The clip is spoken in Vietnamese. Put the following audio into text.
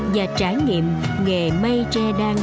và trải nghiệm nghệ mây tre đan